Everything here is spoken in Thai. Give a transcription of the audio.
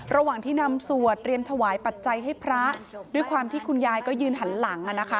ระหว่างที่นำสวดเรียมถวายปัจจัยให้พระด้วยความที่คุณยายก็ยืนหันหลัง